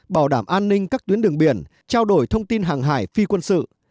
bảo đảm an ninh các tuyến đường biển trao đổi thông tin hàng hải phi quân sự